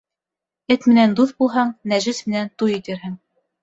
Эт менән дуҫ булһаң, нәжес менән туй итерһең.